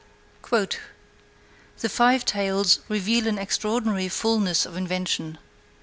The five tales reveal an extraordinary fulness of invention.